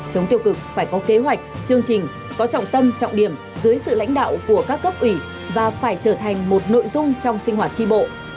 chống tiêu cực phải có kế hoạch chương trình có trọng tâm trọng điểm dưới sự lãnh đạo của các cấp ủy và phải trở thành một nội dung trong sinh hoạt tri bộ